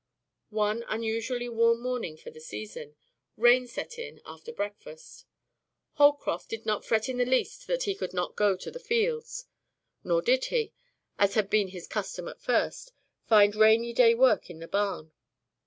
One unusually warm morning for the season, rain set in after breakfast. Holcroft did not fret in the least that he could not go to the fields, nor did he, as had been his custom at first, find rainy day work at the barn.